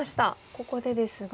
ここでですが。